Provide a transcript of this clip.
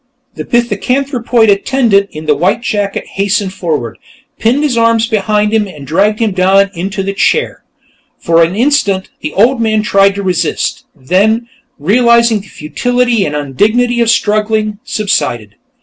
The pithecanthropoid attendant in the white jacket hastened forward, pinned his arms behind him and dragged him down into the chair. For an instant, the old man tried to resist, then, realizing the futility and undignity of struggling, subsided.